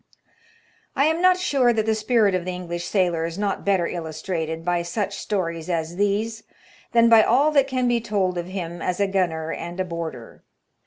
I am not sure that the spirit of the English sailor is not better illustrated by such stories as these, than by all that can be told of him as a gunner and a boarder.